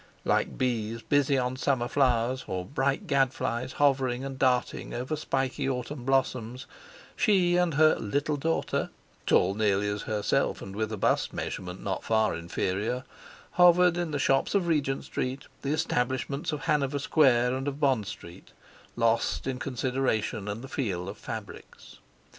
Like bees busy on summer flowers, or bright gadflies hovering and darting over spiky autumn blossoms, she and her "little daughter," tall nearly as herself and with a bust measurement not far inferior, hovered in the shops of Regent Street, the establishments of Hanover Square and of Bond Street, lost in consideration and the feel of fabrics.